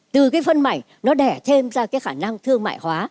từ cái phân mảnh nó đẻ thêm ra cái khả năng thương mại hóa